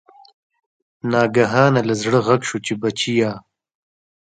ناګهانه له زړه غږ شو چې بچیه!